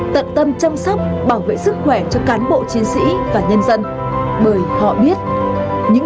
tận tâm chăm sóc bảo vệ sức khỏe cho cán bộ chiến sĩ và nhân dân bởi họ biết những